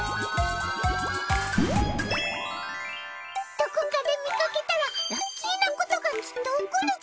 どこかで見かけたらラッキーなことがきっと起こるぞ！